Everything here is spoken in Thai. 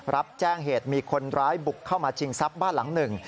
รับแจ้งเหตุมีคนร้ายบุกเข้ามาชิงทรัพย์บ้านหลังหนึ่ง